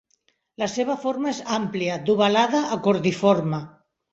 La seva forma és àmplia, d'ovalada a cordiforme.